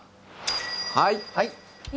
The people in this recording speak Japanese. はい。